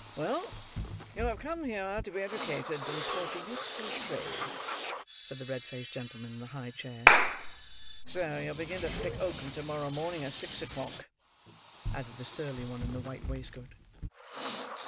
"Well! You have come here to be educated, and taught a useful trade," said the red faced gentleman in the high chair. "So you'll begin to pick oakum to morrow morning at six o'clock," added the surly one in the white waistcoat.